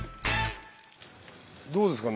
どうですか？